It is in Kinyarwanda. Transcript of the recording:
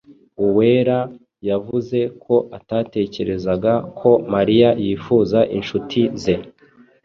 Uwera yavuze ko atatekerezaga ko Mariya yifuza inshuti ze.